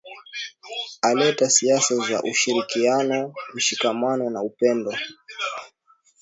aleta siasa za ushirikiano mshikamano na upendo